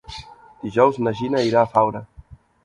Dijous na Gina irà a Faura.